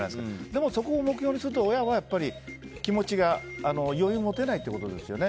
でもそこを目標にすると親はやっぱり気持ちの余裕を持てないということですよね。